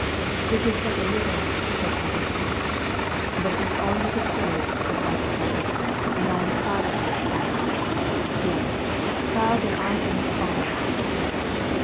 "It is but a little," said Abby. "But it was all you could save," replied her father, "and I am proud of you, Abby; yes, proud that I am the father of such a girl.